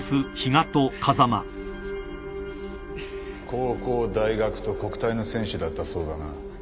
高校大学と国体の選手だったそうだな。